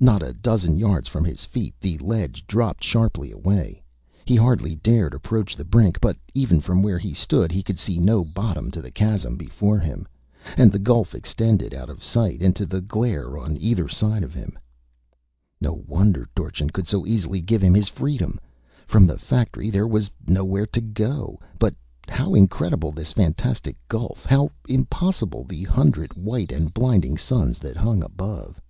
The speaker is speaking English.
Not a dozen yards from his feet, the ledge dropped sharply away; he hardly dared approach the brink, but even from where he stood he could see no bottom to the chasm before him. And the gulf extended out of sight into the glare on either side of him. No wonder Dorchin could so easily give him his freedom! From the factory, there was nowhere to go but how incredible this fantastic gulf, how impossible the hundred white and blinding suns that hung above!